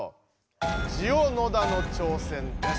ジオ野田の挑戦です。